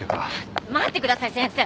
待ってください先生。